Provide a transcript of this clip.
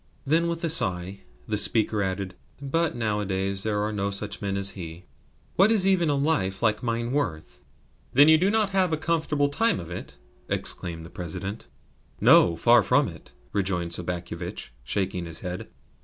Then with a sigh the speaker added: "But nowadays there are no such men as he. What is even a life like mine worth?" "Then you do not have a comfortable time of it?" exclaimed the President. "No; far from it," rejoined Sobakevitch, shaking his head.